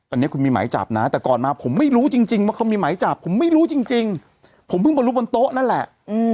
อันนี้คุณมีหมายจับนะแต่ก่อนมาผมไม่รู้จริงว่าเขามีหมายจับผมไม่รู้จริงผมเพิ่งมารู้บนโต๊ะนั่นแหละ